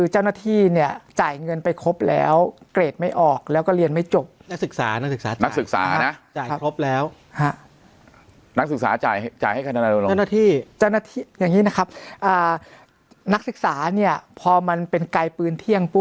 เจ้าหน้าที่เนี่ยจ่ายเงินไปครบแล้วเกรดไม่ออกแล้วก็เรียนไม่จบแล้วก็เรียนไม่จบและศึกษาหนักศึกษาจากสร้างครบแล้วฮะ